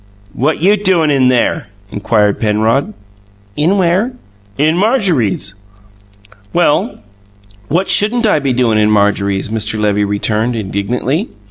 "What you doin' in there?" inquired Penrod. "In where?" "In Marjorie's." "Well, what shouldn't I be doin' in Marjorie's?" Mr. Levy returned indignantly.